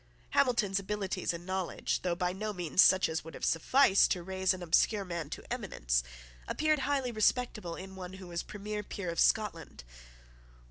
Hamilton's abilities and knowledge, though by no means such as would have sufficed to raise an obscure man to eminence, appeared highly respectable in one who was premier peer of Scotland.